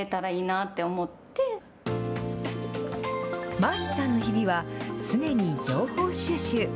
まあちさんの日々は常に情報収集。